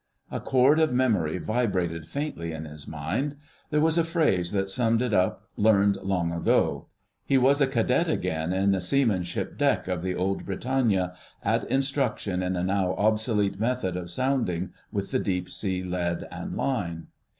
A chord of memory vibrated faintly in his mind. There was a phrase that summed it up, learned long ago.... He was a cadet again on the seamanship deck of the old Britannia, at instruction in a now obsolete method of sounding with the Deep Sea Lead and Line.